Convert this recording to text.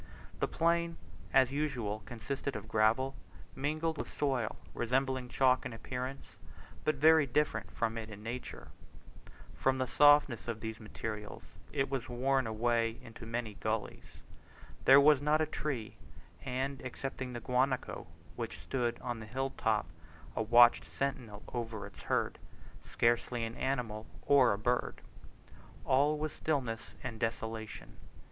The plain as usual consisted of gravel, mingled with soil resembling chalk in appearance, but very different from it in nature. From the softness of these materials it was worn into many gulleys. There was not a tree, and, excepting the guanaco, which stood on the hill top a watchful sentinel over its herd, scarcely an animal or a bird. All was stillness and desolation.